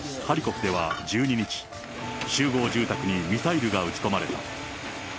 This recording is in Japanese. ハリコフでは１２日、集合住宅にミサイルが撃ち込まれた。